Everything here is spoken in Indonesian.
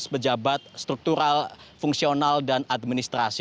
enam belas pejabat struktural fungsional dan administrasi